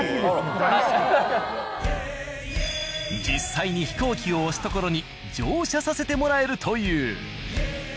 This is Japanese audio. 実際に飛行機を押すところに乗車させてもらえるという。